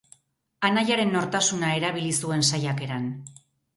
Anaiaren nortasuna erabili zuen saiakeran.